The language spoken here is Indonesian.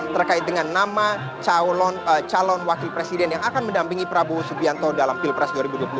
terkait dengan nama calon wakil presiden yang akan mendampingi prabowo subianto dalam pilpres dua ribu dua puluh